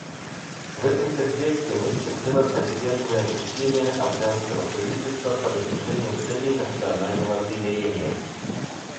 В этом контексте мы всецело поддерживаем усилия афганского правительства по достижению целей национального примирения.